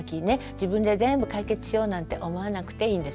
自分で全部解決しようなんて思わなくていいんです。